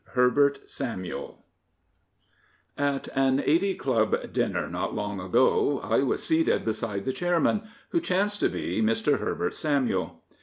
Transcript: HERBERT SAMUEL At an Eighty Club dinner not long ago I was seated beside the Chairman, who chanced to be Mr. Herbert Samuel.